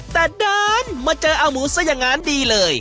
แต่เดินมาเจออาหมูซะอย่างนั้นดีเลย